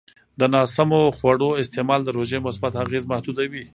د ناسمو خوړو استعمال د روژې مثبت اغېز محدودوي.